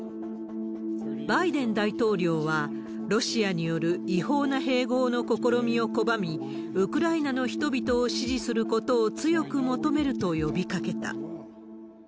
バイデン大統領は、ロシアによる違法な併合の試みを拒み、ウクライナの人々を支持することを強く求めると呼びかけた。